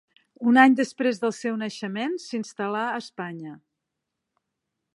Un any després del seu naixement s'instal·là a Espanya.